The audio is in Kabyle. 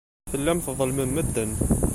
Tellam tḍellmem medden.